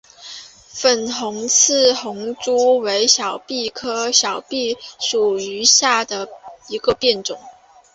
无粉刺红珠为小檗科小檗属下的一个变种。